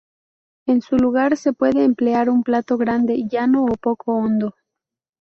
En su lugar, se puede emplear un plato grande llano o poco hondo.